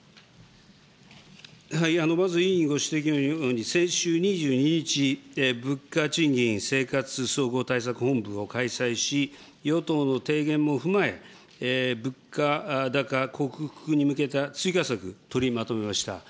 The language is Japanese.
まず委員ご指摘のように、先週２２日、物価・賃金・生活総合対策本部を開催し、与党の提言も踏まえ、物価高克服に向けた追加策、取りまとめました。